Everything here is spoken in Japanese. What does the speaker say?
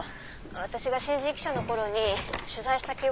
私が新人記者の頃に取材した記憶があるの。